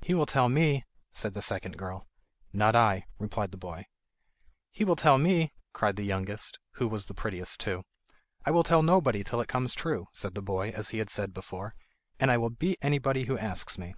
"He will tell me," said the second girl. "Not I," replied the boy. "He will tell me," cried the youngest, who was the prettiest too. "I will tell nobody till it comes true," said the boy, as he had said before; "and I will beat anybody who asks me."